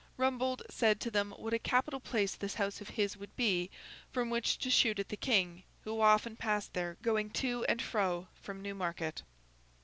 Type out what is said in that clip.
Rumbold said to them what a capital place this house of his would be from which to shoot at the King, who often passed there going to and fro from Newmarket.